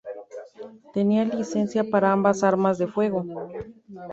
Tenía licencia para ambas armas de fuego.